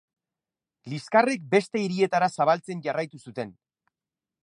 Liskarrek beste hirietara zabaltzen jarraitu zuten.